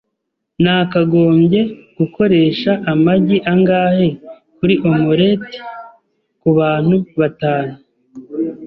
Nakagombye gukoresha amagi angahe kuri omelet kubantu batanu?